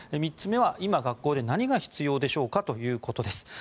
３つ目は今、学校で何が必要でしょうかということです。